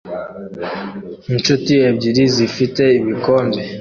Inshuti ebyiri zifite ibikombe